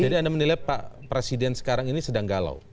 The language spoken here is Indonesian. jadi anda menilai pak presiden sekarang ini sedang galau